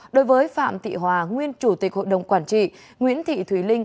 đối với phạm thị hòa nguyên chủ tịch hội đồng quản trị nguyễn thị thùy linh